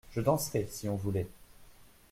Je danserais, si on voulait.